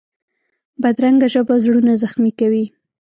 بدرنګه ژبه زړونه زخمي کوي